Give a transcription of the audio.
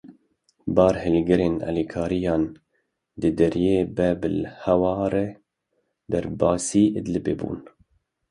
Barhilgirên alîkariyan di deriyê Bab el Hewayê re derbasî Îdlibê bûn.